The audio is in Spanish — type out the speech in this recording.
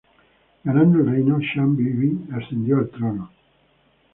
Ganando el reino, Chand Bibi ascendió al trono.